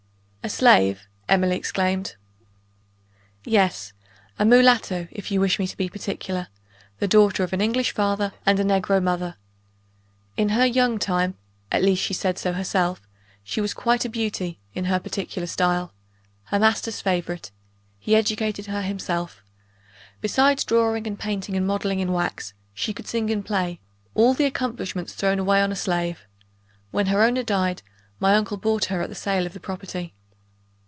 "A slave!" Emily exclaimed. "Yes a mulatto, if you wish me to be particular; the daughter of an English father and a negro mother. In her young time (at least she said so herself) she was quite a beauty, in her particular style. Her master's favorite; he educated her himself. Besides drawing and painting, and modeling in wax, she could sing and play all the accomplishments thrown away on a slave! When her owner died, my uncle bought her at the sale of the property."